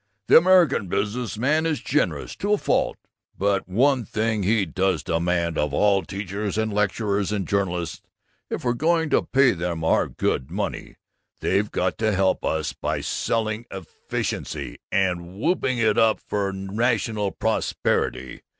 The American business man is generous to a fault, but one thing he does demand of all teachers and lecturers and journalists: if we're going to pay them our good money, they've got to help us by selling efficiency and whooping it up for rational prosperity!